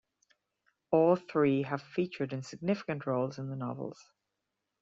All three have featured in significant roles in the novels.